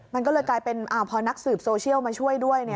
มันก็เลยกลายเป็นพอนักสืบโซเชียลมาช่วยด้วย